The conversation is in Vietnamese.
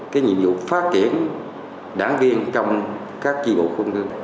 cái nhiệm vụ phát triển đảng viên trong các tri bộ khuôn hương